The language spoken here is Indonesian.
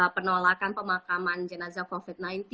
penolakan pemakaman jenazah covid sembilan belas